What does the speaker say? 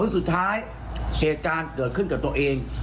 สุดท้ายเหตุการณ์เกิดขึ้นกับตัวเอง